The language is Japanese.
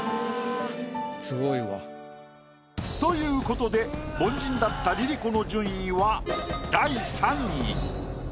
うわ。という事で凡人だったＬｉＬｉＣｏの順位は。